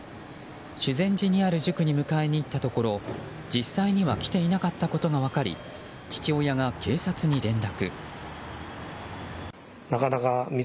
修善寺にある塾に迎えに行ったところ実際には来ていなかったことが分かり父親が警察に連絡。